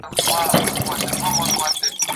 د څېړنې لپاره مناسبې لاري چارې ولټوئ.